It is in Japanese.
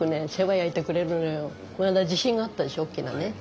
この間地震があったでしょおっきなね。